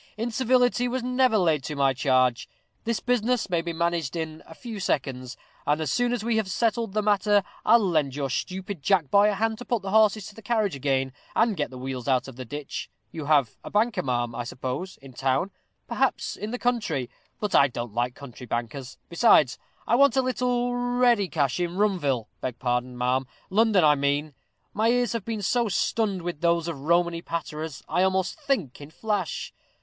Incivility was never laid to my charge. This business may be managed in a few seconds; and as soon as we have settled the matter, I'll lend your stupid jack boy a hand to put the horses to the carriage again, and get the wheels out of the ditch. You have a banker, ma'am, I suppose, in town perhaps in the country; but I don't like country bankers; besides, I want a little ready cash in Rumville beg pardon, ma'am, London I mean. My ears have been so stunned with those Romany patterers, I almost think in flash.